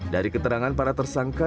dari keterangan para tersangka